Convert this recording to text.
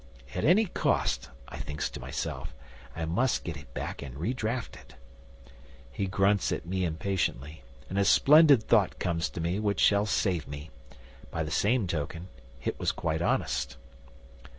At any cost, I thinks to myself, I must get it back and re draft it. He grunts at me impatiently, and a splendid thought comes to me, which shall save me. By the same token, It was quite honest.